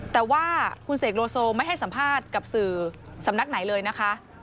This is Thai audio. แต่ว่าคุณเสกโลโซไม่ให้สัมภาษณ์กับสื่อสำนักไหนเลยนะคะ